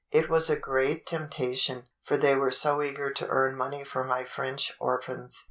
It was a great temptation, for they were so eager to earn money for my French orphans.